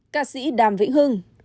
cà sĩ đàm vĩnh hưng